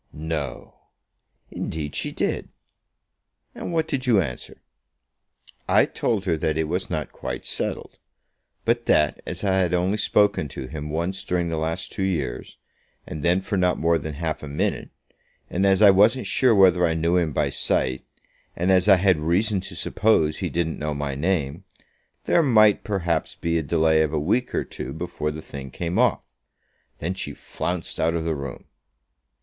"No!" "Indeed she did." "And what did you answer?" "I told her that it was not quite settled; but that as I had only spoken to him once during the last two years, and then for not more than half a minute, and as I wasn't sure whether I knew him by sight, and as I had reason to suppose he didn't know my name, there might, perhaps, be a delay of a week or two before the thing came off. Then she flounced out of the room."